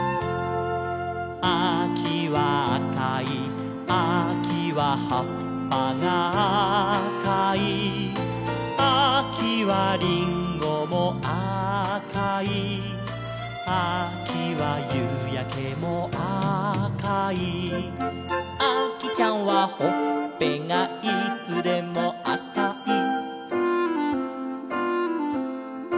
「あきはあかい」「あきははっぱがあかい」「あきはりんごもあかい」「あきはゆうやけもあかい」「あきちゃんはほっぺがいつでもあかい」